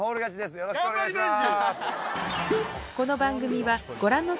よろしくお願いします。